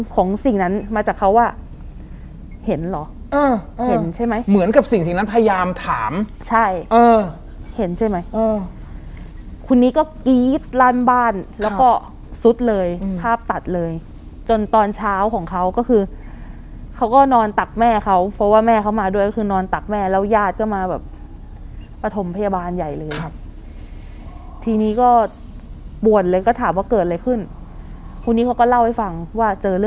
สิ่งนั้นมาจากเขาอ่ะเห็นเหรออ่าเห็นใช่ไหมเหมือนกับสิ่งสิ่งนั้นพยายามถามใช่เออเห็นใช่ไหมคนนี้ก็กรี๊ดลั่นบ้านแล้วก็ซุดเลยภาพตัดเลยจนตอนเช้าของเขาก็คือเขาก็นอนตักแม่เขาเพราะว่าแม่เขามาด้วยก็คือนอนตักแม่แล้วญาติก็มาแบบปฐมพยาบาลใหญ่เลยครับทีนี้ก็บวชเลยก็ถามว่าเกิดอะไรขึ้นคนนี้เขาก็เล่าให้ฟังว่าเจอเ